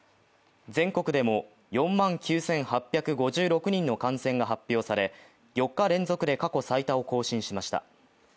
全国でも４万９８５６人の感染が発表され、４日連続で、過去最多を更新しました。